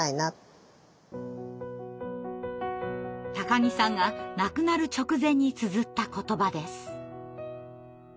木さんが亡くなる直前につづった言葉です。